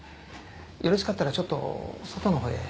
よろしかったらちょっと外のほうへ。